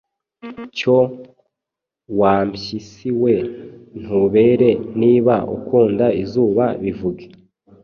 Cyo wa mpyisi we ntubere, niba ukunda izuba bivuge,